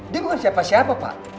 dia bukan siapa siapa pak